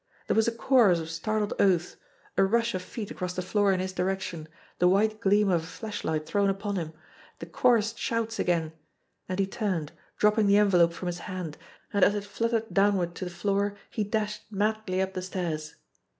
There was a chorus of startled oaths, a rush of feet across the floor in his direction, the white gleam of a flash light thrown upon him, the chorused shouts again and he turned, dropping the envelope from his hand> and as it flut tered downward to the floor, he dashed madly up the stairs.